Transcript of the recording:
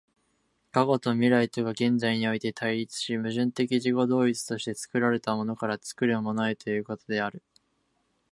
過去と未来とが現在において対立し、矛盾的自己同一として作られたものから作るものへということである。